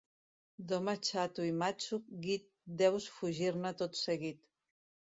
D'home xato i matxo guit deus fugir-ne tot seguit.